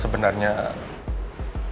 sebenernya apa pak